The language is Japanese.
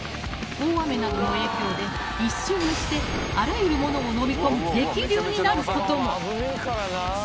大雨などの影響で一瞬にしてあらゆるものをのみ込む激流になることも］